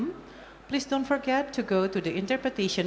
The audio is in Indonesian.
jangan lupa untuk mencoba fitur interpretasi